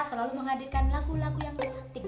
selalu menghadirkan lagu lagu yang cantik